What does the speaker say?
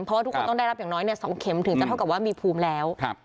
เพราะว่าทุกคนต้องได้รับอย่างน้อย๒เข็มถึงจะเท่ากับว่ามีภูมิแล้ว